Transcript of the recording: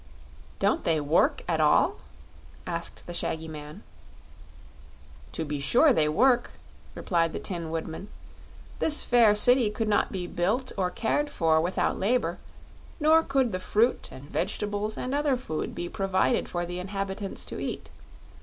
"Don't they work at all?" asked the shaggy man. "To be sure they work," replied the Tin Woodman; "this fair city could not be built or cared for without labor, nor could the fruit and vegetables and other food be provided for the inhabitants to eat.